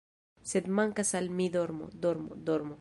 ♫ Sed mankas al mi dormo, dormo, dormo ♫